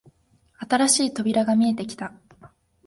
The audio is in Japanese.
新しい扉が見えてきた